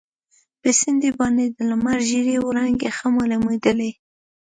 پر سیند باندي د لمر ژېړې وړانګې ښې معلومیدلې.